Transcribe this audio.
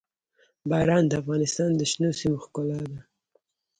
باران د افغانستان د شنو سیمو ښکلا ده.